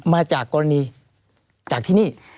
มาจากกรณีจากที่นี่